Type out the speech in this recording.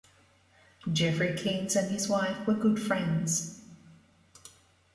Geoffrey Keynes and his wife were good friends.